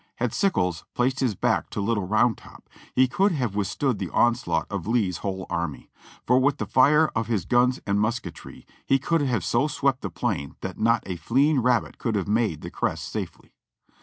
Had Sickles placed his back to Little Round Top, he could have with stood the onslaught of Lee's whole army ; for with the fire of his guns and musketry, he could have so swept the plain that not a fleeing rabbit could have made the crest safely.